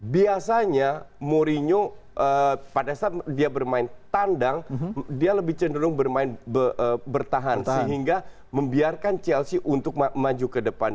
biasanya mourinho pada saat dia bermain tandang dia lebih cenderung bertahan sehingga membiarkan chelsea untuk maju ke depan